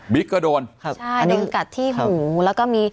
ก็โดนครับใช่ดึงกัดที่หูแล้วก็มี